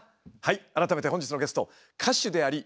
改めて本日のゲスト歌手でありモノマネ